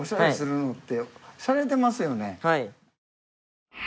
はい。